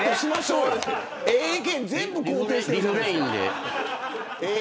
ええ意見、全部肯定していく。